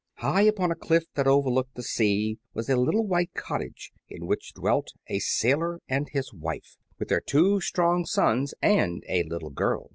HIGH upon a cliff that overlooked the sea was a little white cottage, in which dwelt a sailor and his wife, with their two strong sons and a little girl.